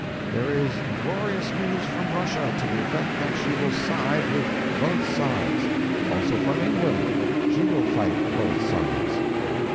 There is glorious news from Russia to the effect that she will side with both sides. Also from England she will fight both sides.